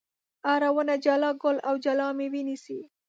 هره ونه جلا ګل او جلا مېوه نیسي.